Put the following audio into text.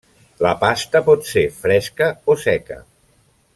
La pasta pot ser: fresca o seca.